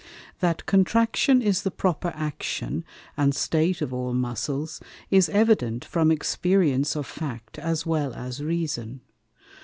That Contraction is the proper Action, and State of all Muscles, is evident from Experience of Fact, as well as Reason.